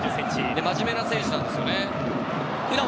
で、まじめな選手なんですよね。